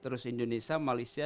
terus indonesia malaysia